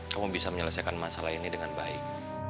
kamu bisa menyelesaikan masalah ini dengan baik